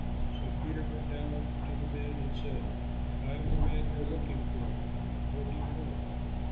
So Peter went down to the men and said, "I am the man you are looking for; what do you want?"